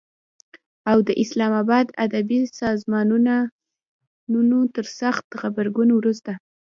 او د اسلام آباد ادبي سازمانونو تر سخت غبرګون وروسته